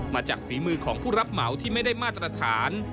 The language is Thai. ฝีมือของผู้รับเหมาที่ไม่ได้มาตรฐาน